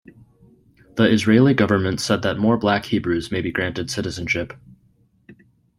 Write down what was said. The Israeli government said that more Black Hebrews may be granted citizenship.